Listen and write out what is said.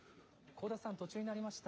香田さん、途中になりました。